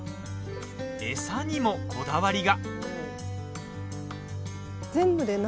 餌にもこだわりが。